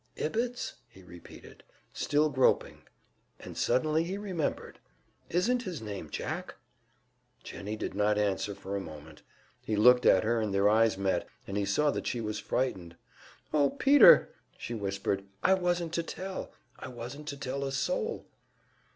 "Ibbetts?" he repeated, still groping; and suddenly he remembered. "Isn't his name Jack?" Jennie did not answer for a moment. He looked at her, and their eyes met, and he saw that she was frightened. "Oh, Peter!" she whispered. "I wasn't to tell! I wasn't to tell a soul!"